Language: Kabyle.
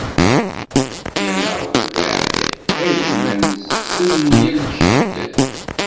Yal aɣbel iεedda-d, a gma nessen yal cceddat.